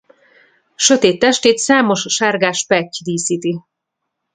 Sötét testét számos sárgás petty díszíti.